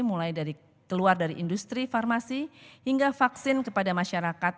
mulai dari industri farmasi hingga vaksin kepada masyarakat